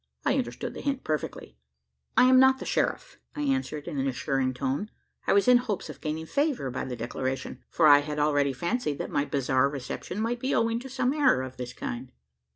I understood the hint perfectly. "I am not the sheriff," I answered in an assuring tone. I was in hopes of gaining favour by the declaration: for I had already fancied that my bizarre reception might be owing to some error of this kind.